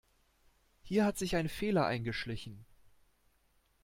Hier hat sich ein Fehler eingeschlichen.